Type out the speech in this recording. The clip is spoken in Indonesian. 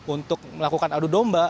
untuk melakukan adu domba